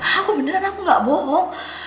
aku bener aku gak bohong